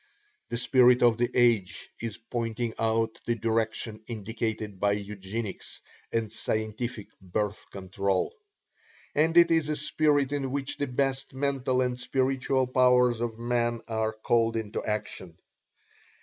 The spirit of the age is pointing out the direction indicated by Eugenics and scientific Birth Control. And it is a spirit in which the best mental and spiritual powers of man are called into action.